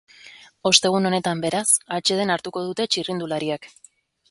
Ostegun honetan, beraz, atseden hartuko dute txirrindulariek.